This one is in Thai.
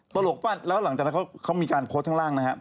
ตลกว่าแล้วหลังจากนั้นเขามีการโพสต์ข้างล่างนะครับ